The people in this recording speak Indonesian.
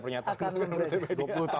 terakhir kapan itu bang ada pernyataan